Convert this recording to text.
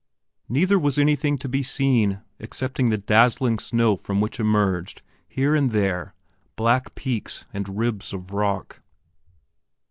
Neither was anything to be seen excepting the dazzling snow from which emerged, here and there, black peaks and ribs of rock.